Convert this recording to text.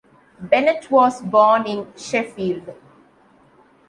Bennett was born in Sheffield.